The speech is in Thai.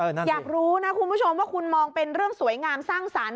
อยากรู้นะคุณผู้ชมว่าคุณมองเป็นเรื่องสวยงามสร้างสรรค์